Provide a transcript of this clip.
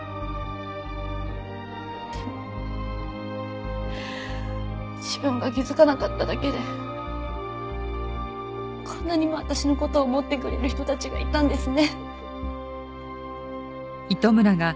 でも自分が気づかなかっただけでこんなにも私の事を思ってくれる人たちがいたんですね。